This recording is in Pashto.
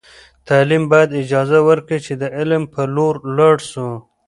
تعلیم باید اجازه ورکړي چې د علم په لور لاړ سو.